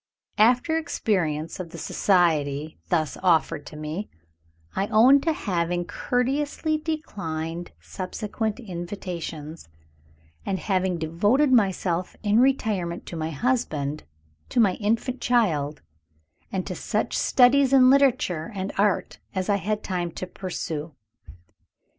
After experience of the society thus offered to me, I own to having courteously declined subsequent invitations, and having devoted myself in retirement to my husband, to my infant child, and to such studies in literature and art as I had time to pursue.